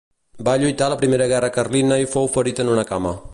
Va lluitar a la Primera Guerra Carlina i fou ferit en una cama.